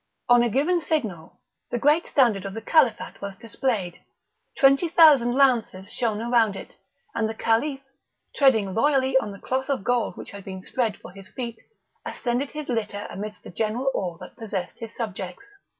On a given signal the great standard of the Califat was displayed, twenty thousand lances shone around it, and the Caliph, treading loyally on the cloth of gold which had been spread for his feet, ascended his litter amidst the general awe that possessed his subjects.